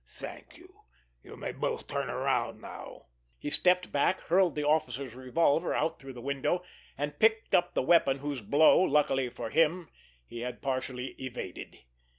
"Thank you! You may both turn around now!" He stepped back, hurled the officer's revolver out through the window, and picked up the weapon whose blow, luckily for him, he had partially evaded.